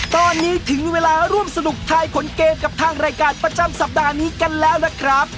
ตอนนี้ถึงเวลาร่วมสนุกทายผลเกมกับทางรายการประจำสัปดาห์นี้กันแล้วนะครับ